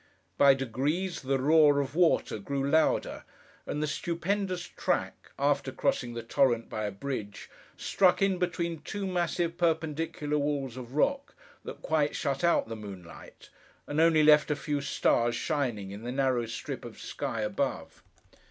By degrees, the roar of water grew louder; and the stupendous track, after crossing the torrent by a bridge, struck in between two massive perpendicular walls of rock that quite shut out the moonlight, and only left a few stars shining in the narrow strip of sky above.